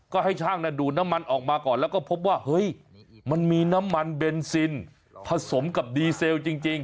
ก็ให้ช่างดูดน้ำมันออกมาก่อนแล้วก็พบว่าเฮ้ยมันมีน้ำมันเบนซินผสมกับดีเซลจริง